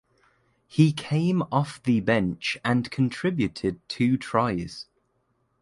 He came off the bench and contributed two tries.